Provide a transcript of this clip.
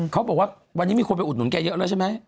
เขาบอกว่าวันนี้มีคนไปอุดหนุนแกเยอะแล้วใช่ไหม